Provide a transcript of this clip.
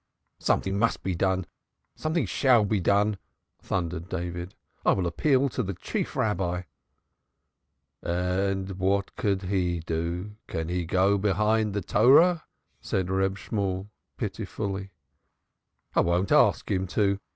"Something must be done, something shall be done," thundered David. "I will appeal to the Chief Rabbi." "And what can he do? Can he go behind the Torah?" said Reb Shemuel pitifully. "I won't ask him to.